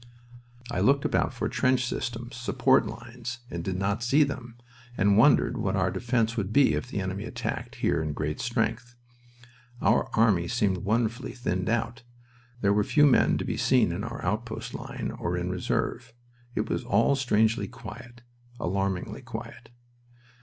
I looked about for trench systems, support lines, and did not see them, and wondered what our defense would be if the enemy attacked here in great strength. Our army seemed wonderfully thinned out. There were few men to be seen in our outpost line or in reserve. It was all strangely quiet. Alarmingly quiet.